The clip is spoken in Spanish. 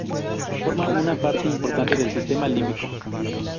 Forma una parte importante del sistema límbico.